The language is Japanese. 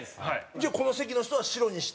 じゃあこの席の人は白にして。